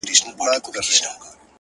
د همدې شپې په سهار کي يې ويده کړم _